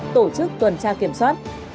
tổ chức tuần tra kiểm soát